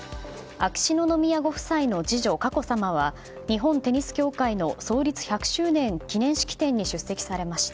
秋篠宮ご夫妻の次女・佳子さまは日本テニス協会の創立１００周年記念式典に出席されました。